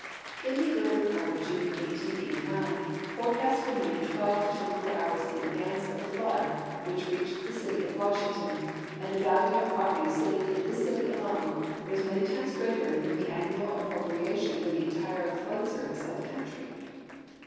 In the early part of June, 1889, forecasts Avere made twelve to tAvent}^ four hours in advance of the flood Avhich reached the city of Wash ington, and the value of property saved in this city alone Avas many times greater than the annual appropriation for the entire flood service of the country.